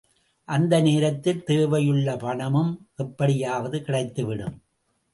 அந்த நேரத்தில் தேவையுள்ள பணமும் எப்படியாவது கிடைத்துவிடும்.